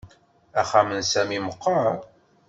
Axxam n Sami meqqer